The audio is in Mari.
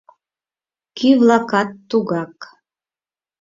Кӱ-влакат тугак.